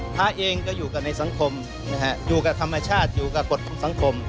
พระเองก็อยู่กันในสังคมนะฮะอยู่กับธรรมชาติอยู่กับกฎของสังคม